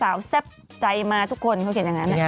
แซ่บใจมาทุกคนเขาเขียนอย่างนั้น